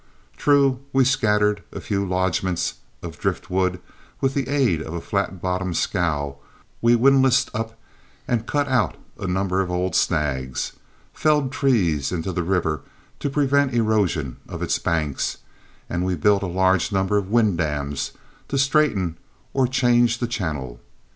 True, we scattered a few lodgments of driftwood; with the aid of a flat bottomed scow we windlassed up and cut out a number of old snags, felled trees into the river to prevent erosion of its banks, and we built a large number of wind dams to straighten or change the channel.